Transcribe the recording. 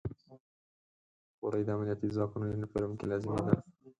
خولۍ د امنیتي ځواکونو یونیفورم کې لازمي ده.